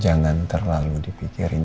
jangan terlalu dipikirin